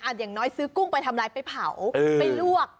อย่างน้อยซื้อกุ้งไปทำอะไรไปเผาไปลวก